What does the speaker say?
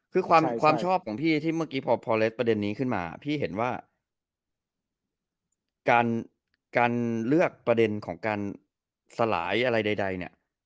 คือความชอบของพี่ที่เมื่อกี้พอเลสประเด็นนี้ขึ้นมาพี่เห็นว่าการเลือกประเด็นของการสลายอะไรใดเนี่ย